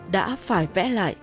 đã phải vẽ lại